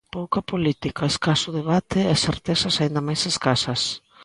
Pouca política, escaso debate e certezas aínda máis escasas.